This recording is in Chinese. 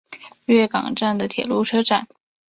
月冈站的铁路车站。